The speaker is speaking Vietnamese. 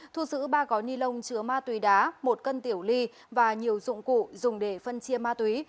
thu giữ ba gói ni lông chứa ma túy đá một cân tiểu ly và nhiều dụng cụ dùng để phân chia ma túy